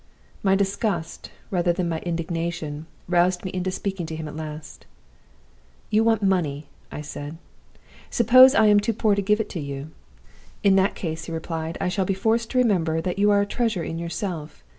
"My disgust, rather than my indignation, roused me into speaking to him at last. "'You want money,' I said. 'Suppose I am too poor to give it to you?' "'In that case,' he replied, 'I shall be forced to remember that you are a treasure in yourself.